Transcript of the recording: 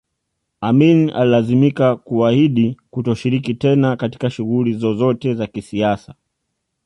Amin alilazimika kuahidi kutoshiriki tena katika shughuli zozote za kisiasa